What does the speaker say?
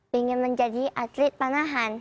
pengen menjadi atlet panahan